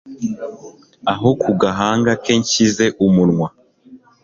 aho ku gahanga ke nshyize umunwa